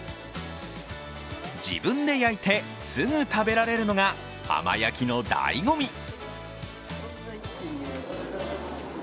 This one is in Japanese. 自分で焼いてすぐ食べられるのが、浜焼きのだいご味。